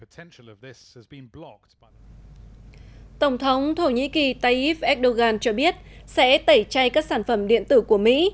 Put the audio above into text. tổng thống thổ nhĩ kỳ tayyip erdogan cho biết sẽ tẩy chay các sản phẩm điện tử của mỹ